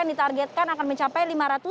yang ditargetkan akan mencapai